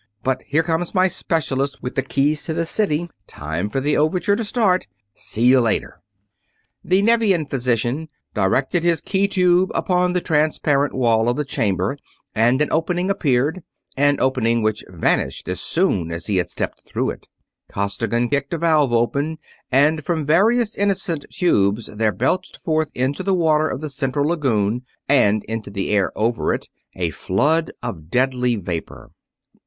But here comes my specialist with the keys to the city; time for the overture to start. See you later!" The Nevian physician directed his key tube upon the transparent wall of the chamber and an opening appeared, an opening which vanished as soon as he had stepped through it; Costigan kicked a valve open; and from various innocent tubes there belched forth into the water of the central lagoon and into the air over it a flood of deadly vapor.